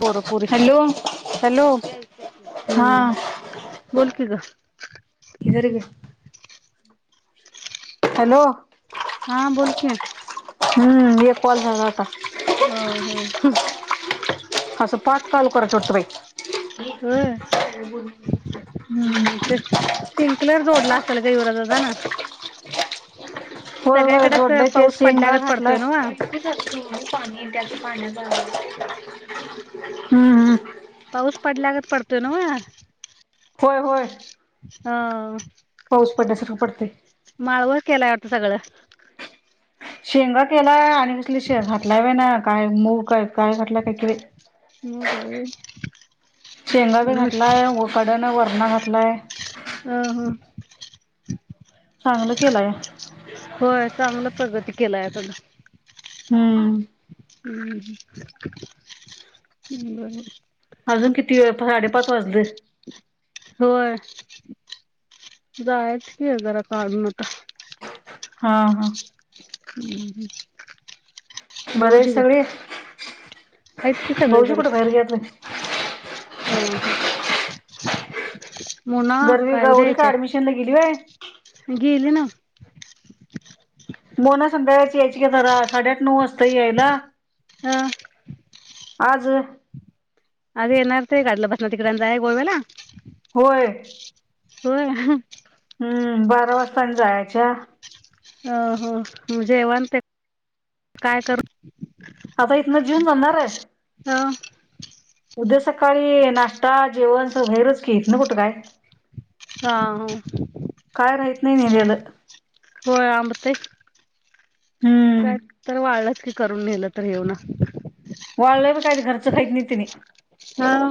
पोरं पोरी hello hello हा हम् बोल की ग [unintelligible] हॅलो हा बोल की ह़ एक कॉल झाला अ.... हा ह् असं पाच कॉल करायचं वाटतं बाई ह्... हम्म हो् स्पिंकलर जोडला... सलगाई उरदा जाना... होय होय जोडलंय ते शेंगा पडल्यागत घातलोय.. पडतोय नव्ह हम्म हम्म... पाऊस पडल्यागत पडतोय न्हव.. होय होय... हा... पाऊस पडण्यासारखा पडते. माळवर केलाय वाटतं सगळं.. शेंगा केलाय आणि कसले शेग घातला व ना काय मूग काय? काय घातला काय की बाई? हो काय [inaudible] शेंगा बी घातलाय. ऊ कडन वरणा घातलाय. ह ह. चांगलं [inaudible] केलाय [inaudible] होय चांगलं प्रगती केलाय अता दहा हम्म. हम्म हम् [inaudible] बर. अजून किती वेळ? पासाडेपाच वाजलेत. होय [inaudible] जायाच की जरा चालुन आता. हा हा हम्म हम्म. बरं आहेत सगळी? आहेत की सगळी भाऊजी बरी कुठ बाहेर गेल्यात होय? [inaudible] हो हो [inaudible] मोना गरवी काय उद्या गौरी यायची का हाय? ऍडमिशन ला गेली व्हय गेले ना. [inaudible] मोना संध्याकाळची यायची की घरात साडेआठ नऊ वाजता यायला. अ [inaudible] आज होय? आज येणार ते गाडीला बसनार तिकड अन जायाय गोव्याला. होय. होय ह. हम्म. बारा वाजता आनी जायाच्या. हो हो म जेवण ते [inaudible] काय करू? आता इथनं जीवून जाणार? अ [inaudible] उद्या सकाळी नाश्ता, जेवण स बाहेरच की इथन कुठं काय? हा ह काय राहत नाही नेलेलं [inaudible] होय आम [inaudible] हम्म काय तर वाळच की करून नेलं तर हे हूनार. वाळलेलं काय घरचं खाईत नाहित तेंणी. हा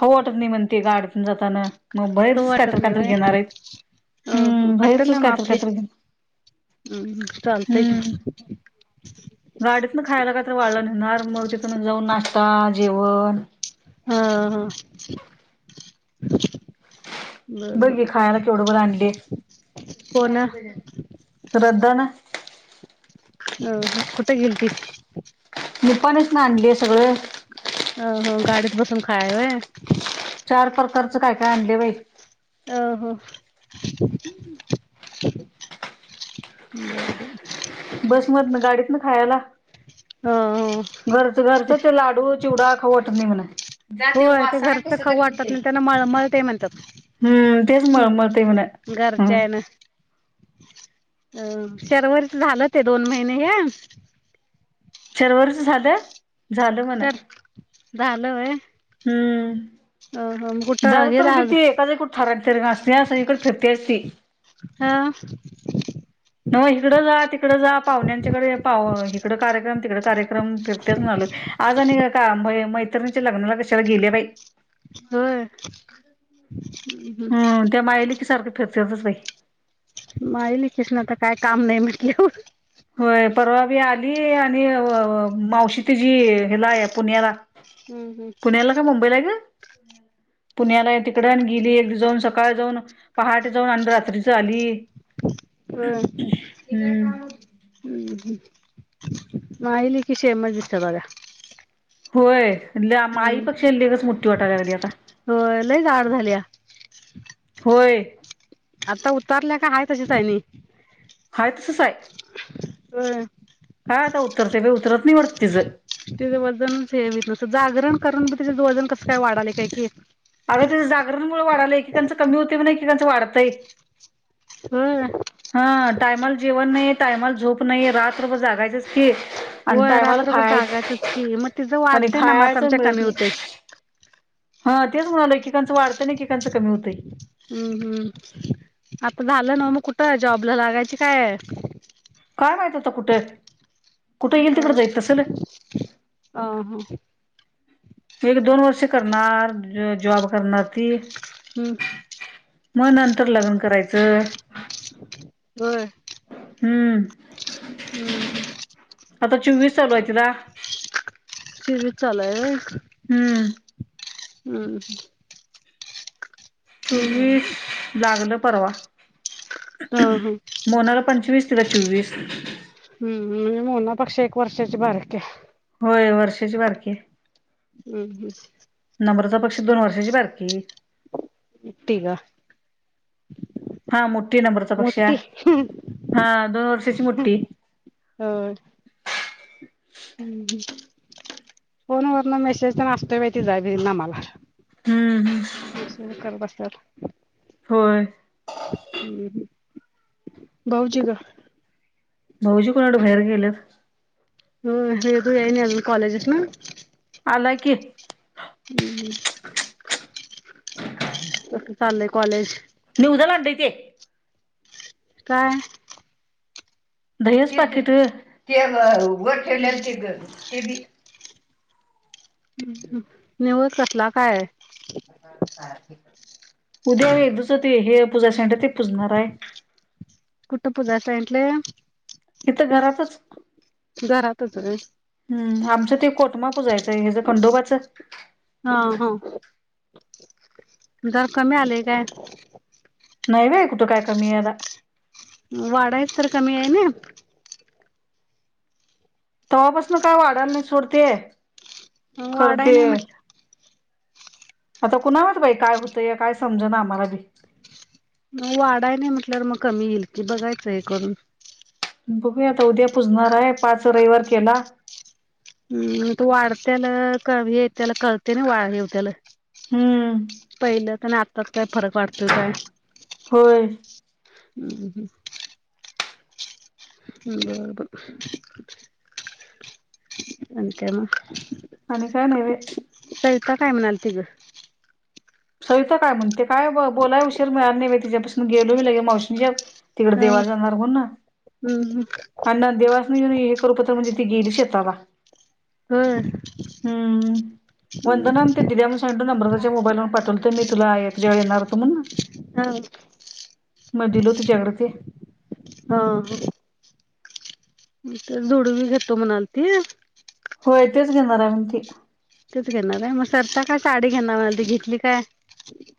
खाऊ वाटत नाही म्हण ते गाडीतन जातान. मग खाऊ बाहीरच काय तर वाटत नाही काय तर व्हय घेणार आहेत. अ हो हम हॉटेलला भाहीरच काय तर माफी काय तर घेऊन हम्म ह चालतय की. गाडीतन खायला काहीतरी वाळ नेणार मग तिथून जाऊन नाश्ता, जेवण हा हा. [inaudible] बर बर बग हे खायाला केवढ बला आणले. कोण साठ अ रुपये ने. झालं रद्द ना. अह कुट गेलती? निपाणीतनं आणलय सगळं. अं हं, गाडीत बसून खायाय होय? चार प्रकारचं काय-काय आणलंय बाई. अं हं [unintelligible] बरबर बसमधनं गाडीतनं खायाला. हं हं घरचं-घरचं ते लाडू चिवडा खाऊ वाटत नही म्हणं. होय ते घरचं खाऊ वाटत नय, तेंना मळमळतय म्हणत्यात. हम्म तेच मळमळतंय म्हण हम्म घरचाय ना. अं शर्वरीच झालं ते दोन महिने हे. शर्वरीचं झालं? झालं म्हणं. तर झालं होय? हम्म कुठं झालं तर हेला बी ती ऐका जाग कुट [unintelligible] असत्या सगळीकडं फिरत्याच ती. हां नव इकडं जा तिकडं जा पाहुण्यांच्याकड पा इकड कार्यक्रम तिकड कार्यक्रम फीरत्याच नाल आज आणि का का मैत्रिणीच्या लग्नाला कशाला गेल्या बाई होय हम् त्या माया लेकी सारखं फिरत्यातच बाई माया लेकिसनी आता काय काम नहीं म्हटल्यावर होय परवा बी आली आणि मावशी तिजी हिला हाय पुण्याला हम्म पुण्याला काय मुंबई ला ग पुण्याला हाय तिकड गेली एक दिवस जाऊन सकाळ जाऊन पहाटे जाऊन आणि रात्रीच आली हम् हम्म. हम् ह माया लेकी सेमच दिसत्या बगा होय माई पेक्षा लेकच मोठी वाटालागल्या आता होय लय जाड झाल्या होय आता उतारल्या काय हाय तशीच हाय आणि हाय तसच हाय बाई उतरत नाही वाटत तिचं. तिच वजनच हे व्हीत नसल जागरण करून बी तीच वजन कसं काय वाढालय काय की अग तिच जागरणमुळ वाढालय एकीकांचं कमी होतय म्हण एकेकांचं वाढतंय हम हा टायमाला जेवण नाही टायमाल झोप नाहीय रात्र जागायचच की आणि होय टायमाला रात्रभर खाय जागायचंच की मग तिचं आणि वाढतंय ना मग खायच आमच्या मिळत कमी नय होतंय. हा तेच म्हणालं एकेकांचं वाढतं ना एककांचं कमी होतंय. हम्म हम्म आता झालं ना मग कुठं जॉबला लागायची कायं कायं माहित आता कुठे- येईल ह तिकडे जाईल तसं ह हा. एक दोन वर्ष करणारं जॉब करणारं. [unintelligible] मग नंतर लग्न करायचं. बर हम्म हम् ह. आता चोवीस चालू आहे तिला. चोवीस चालू आहे व्हयं. हम्म ह्म्म ह्म्म चोवीस लागलं परवा. हा हा. मोनाला पंचवीस तुला चोवीस. हम्म मोना पेक्षा एक वर्षाची बारकी आहे. होय वर्षाची बारकी आहे. हम्म हम्. नम्रता पेक्षा दोन वर्षाची बारकी आहे. तिघं हा मोठी नंबरचा पक्ष्या मोठी. हा दोन वर्षाची हो. मोठी ह फोन वरनं मेसेज तेन आसतोयं बाई तिचा मला [unintelligible] हम्म हम्म मगं [unintelligible] करत बसत्यात. होय हम् हम भाऊजी गं भाऊजी कोणा कडे बाहेर गेल्यात. हो हे तू येईन अजून कॉलेजस ना. आला की. कसं चालेयं कॉलेज. निवजा लांडय ते काय. दहीच पाकीटं व्हयं ते वर ठेवलेलं ते गं ती [unintelligible] निवदं कसंला कायं. [inaudible] उद्या व्हयं दुसं ते हे पुजाय साइंडं ते पुजणार आय. कुटं पूजायं सांइंटलय? इथं घरातच घरातचं गं. हंम् आमचं ते कोटमा पूजाायचंय हेजं खंडोबाचं. हा दर कमी आलय काय? नाही बाई कुटं काय कमी याला. वाडायच तर कमी आहे नायं. तेव्हापासून काय वाढायला नाही सोड ते. मग खरं वाढाय ते नाही म्हटलं. आता कुणावत बाई काय होतं, या काय समज ना आम्हाला बी. मग वाढायं नाही म्हटल्यार मगं कमी येईल कि बघायचं हे करून. बघूया आता उद्या पुजणार आहे. पाच रविवार केला. हम तू वाढत्याल कमी हे येत्याल कळतय ना वा हे होत्याल. हम्म पहिलं तेन आतात काय फरक वाटतोय काय? होय ह बरं बरं आणि काय मग? आणि काही नाहीये बाय. सविता काय म्हणालती गं? सविता काय म्हणते. काय ब बोलाय हुशीर मिळाला नाही बाय, तिच्यापासून गेलो मी लगे मावशीच्यात तिकडे देवाला जाणार म्हणून. हम. आणि देवासन येऊन हे करू पतर म्हणजे ती गेली शेताला. होय. हम्म वंदनान ते दिल्या म्हणून सांगितलो नम्रताच्या मोबाईलवर पाठव बोलते मी तुला एक [unintelligible] येणार होत म्हणून. म दिलो तुझ्याकडे ते. तर जोडवी घेतो म्हणालती. होय, तेच घेणार आहे म ती. घेणार मग सरसा काय साडी घेणार म्हणालती घेतली काय?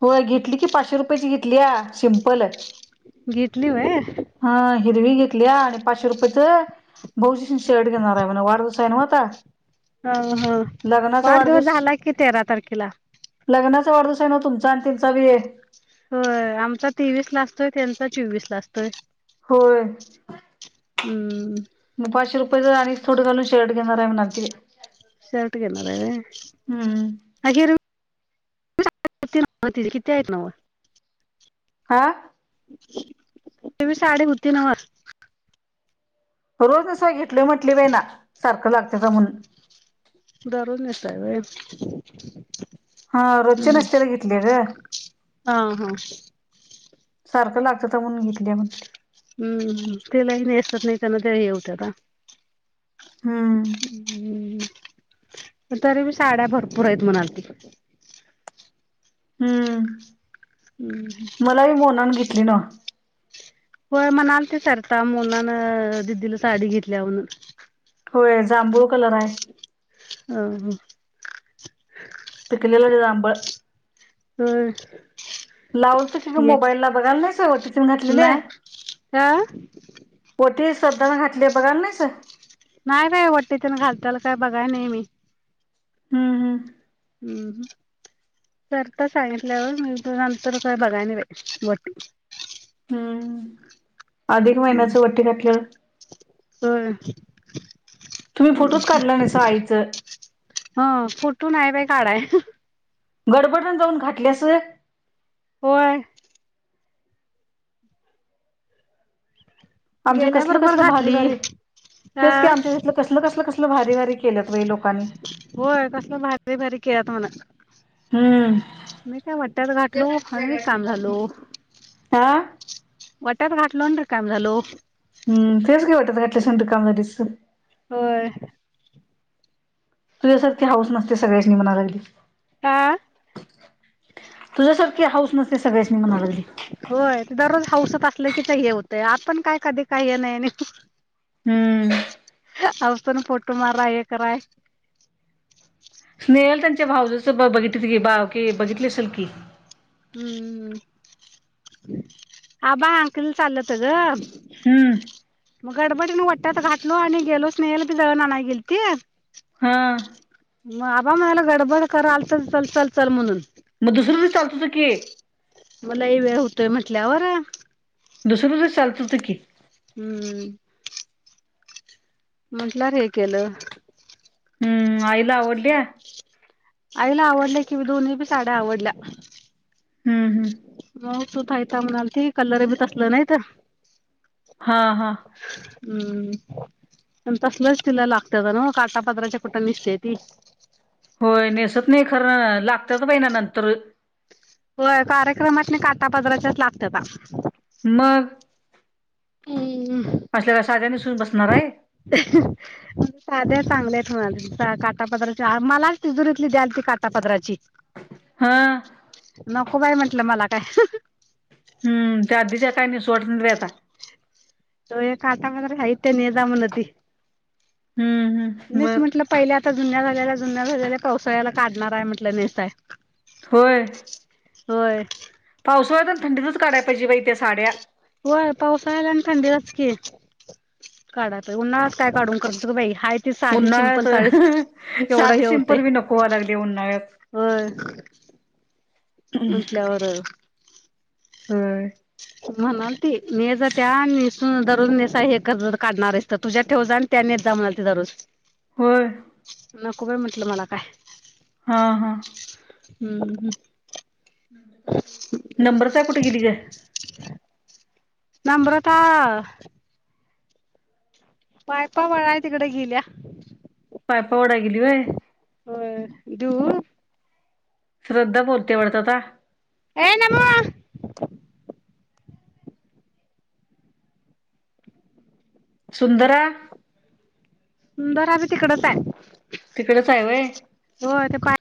होय घेतली की, पाचशे रुपयाची घेतली या सिम्पल घेतली व्हय. हा हिरवी घेतलीया आणि पाचशे रुपयच भाऊजीसनी शर्ट घेणार हाय म्हण, वाढदिवस हाय न्हव आता. हा हा. वाढदिवस झाला कि, तेरा तारखेला. तुमचा वाढदिवस हाय न्हव, तुमचा आणि तेनचा बी व्हय, आमचा तेवीस ला असतोय, तेंचा चोवीस ला असतोय. होय. हू उ. मग पाचशे रुपयच आणिच थोडं घालून, शर्ट घेणार हाय म्हणालती, बाई. शर्ट घेणार हम्म हाय व्हय. किती हायेत नव? आ. तीची बी साडी होती न्हव. रोज नेसाय घेतलोय म्हटली बाई ना, सारखं लागत्याता म्हणून दरोज नेसाय व्हय. हा रोजच्या हम्म नेसतेल्या घेतली ग. हा हा सारखं लागत्याता म्हणून घेतलं. हम्म त्या लई नेसत नाही, त्यांन ते हे व्हत्याता. हा. हम्म तरी मी साड्या भरपूर आहेत म्हणालती हम्म हम्म मला बी मोनानं घेतली नव हो म्हणाल ते सरिता मुलानं दिदीला साडी घेतल्या म्हणून होय जांभळू कलर आहे ह पिकलेला जांभळं हम लावलत की ग मोबाईल ला बघायला नाहीस ओटी तेन घातलेली नाही अ श्रद्धाना घातली बघायला नाहीस नाही बाई काय वटीतन घालताला काय बघाय नाही मी हम्म हम्म हम्म ह सरीता सांगितल्यावर मी नंतर काय बघाय नाही बाई ओटी हम्म अधिक महिन्याचं वटी घातलं ह् आईचं हा फोटो नाय बा काढाय गडबडण जाऊन घातल्यास व्हय होय आमच्या गेल्या कसल बरोबर कसलं भारी घातली भारी हेच का आमच्या तथलं कसलं कसलं कस भारी भारी केत लो होय तसलं भारी भारी केत म्हणा हम्म मी काय वाट्यात घातलो उखळ आणि मी काम झालो आ वाट्यात घाटल रे कायम झालो हम् तेच काय वाटत घटल्या शंड कामदारीच होय तुझ्यासारखे हाऊस ते सगळ्याचनी मना लागली आा तुझ्यासारखे हाऊस न होय दररोज हाऊस असलं की हे होतंय आपण काय कधी काही हे नाही नि हम्म अतान फोटो मारा हे कराय भाऊजीच बघित ग बा ओके बघितली असल की हम्म आबा अंकल चाललंत ग हम्म मग गडबडी म वट्यात घातलो आणि गेलो स्नेहल बी जव नाही गेल त हा ग बाबा माझला गडबड करायल तर चल चल चल म्हणून मग दुसर चालतुझ के लाई वेळ होतोय म्हटल्यावर दुसरंुस चालत होत की हम्म म्हटल्यार हे केलं हम्म आईला ड आईला आवडल्या कि दोन्ही बी साड्या आवडल्या हम्म हम्म सुूतायचा म्हणाल क कलर बी तसलं नाहीत हा हा हम्म आणि तसलच तिला लागत का ना काटापद्राच्या कुठं निसतेय ती होय नेसत नाही खरं लागतात बाईना, नंतर क्रमातन काठा पदराच्याच लागत्याता. मग हम्मणे असल्या काय साध्या नेसून बसणार आहे साध्या चांगल्यात होय, काटा पदराची, मलाच तिजुरीतली द्याल ती काटा पदराची हा. नको बाय म्हंटलं मला काय? हम्म त्या आधीच्या काय? नेसू वाटत नाहीत बाई आता. तो एक, काटा पदराच्या हायित त्या न्हे जा म्हणती हम्म हम्म मीच बर म्हटलं, पहिल्या आता जुन्या झालेल्या, जुन्या झालेल्या, पावसाळ्याला काढणार हाय म्हटलं नेसाय. होय. होय. पावसोळ्यात आन थंडीचच काढायचं. व्हय पावसाळ्याला आणि थंडीलाच की काढाय पाहिजे, उन्हाळ्यात काय काढून करचं ग बाई? हाय ती साधी सिंपल साडीच, उन्हाळ्यात केवढ साधी हे होतय. सिंपल बी नको व्हाय लागली उन्हाळ्यात होय म्हटल्यावर होय. म्हणाल ती, न्हेजा त्या आणि नेसून दररोज नेसून हे करनार काढणार हायीस तर, तुझ्या ठेव जा आणि त्या नेस जा म्हणालती दरोज. होय. नको बाई म्हटलं, मला काय? हा हा. हू हू. नम्रता कुठ गेली ग? नम्रता. पायपा वडाय तिकडं गेल्या. पायपा वडाय गेली वय. होय देऊ. श्रद्धा बोलते वाढत आता. ये नमु. सुंदरा? सुंदरा बी तिकडच आहे. तिकडेच आहे वय. होय ते पाय